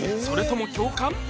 それとも共感？